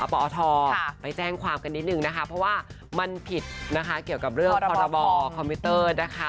ปอทไปแจ้งความกันนิดนึงนะคะเพราะว่ามันผิดนะคะเกี่ยวกับเรื่องพรบคอมพิวเตอร์นะคะ